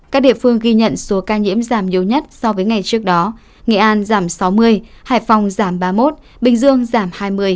các địa phương ghi nhận số ca nhiễm giảm nhiều nhất so với ngày trước đó nghệ an giảm sáu mươi hải phòng giảm ba mươi một bình dương giảm hai mươi ba mươi